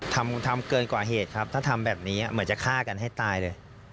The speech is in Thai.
ทำเกินกว่าเหตุครับถ้าทำแบบนี้เหมือนจะฆ่ากันให้ตายเลย